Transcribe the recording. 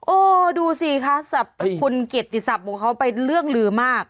โอ้ดูสิค่ะคุณเกษตรีศัพท์ของเขาไปเรื่องหลือมาก